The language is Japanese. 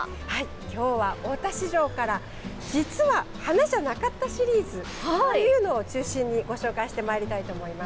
今日は大田市場から実は花じゃなかったシリーズというのを中心にご紹介してまいりたいと思います。